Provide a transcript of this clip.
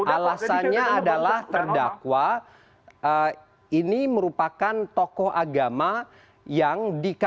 alasannya adalah terdakwa ini merupakan tokoh agama yang dikawal